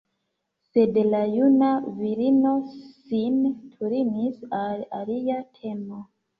Sed la juna virino sin turnis al alia temo.